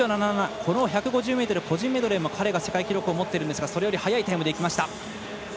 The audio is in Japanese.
この１５０ｍ、個人メドレーも彼が記録を持ってるんですがそれより速いタイムでいきました。